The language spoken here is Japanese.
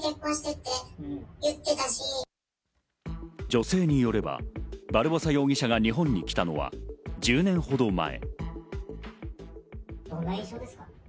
女性によれば、バルボサ容疑者が日本に来たのは１０年ほど前。